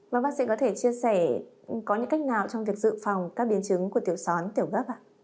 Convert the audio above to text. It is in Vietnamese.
và bác sĩ có thể chia sẻ có những cách nào trong việc dự phòng các biến chứng của tiểu xón tiểu gấp à